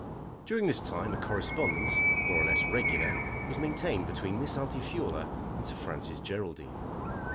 During this time a correspondence, more or less regular, was maintained between Miss Altifiorla and Sir Francis Geraldine.